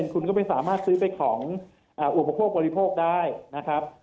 คุณก็ไม่สามารถซื้อไปของอุปโภคบริโภคได้นะครับ